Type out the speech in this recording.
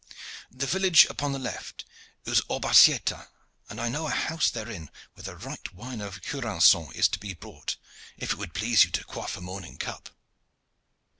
The village upon the left is Orbaiceta, and I know a house therein where the right wine of Jurancon is to be bought, if it would please you to quaff a morning cup."